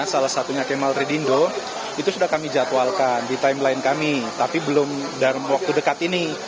salah satunya kemal tridindo itu sudah kami jadwalkan di timeline kami tapi belum dalam waktu dekat ini